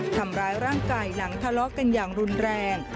ทำร้ายร่างกายหลังทะเลาะกันอย่างรุนแรง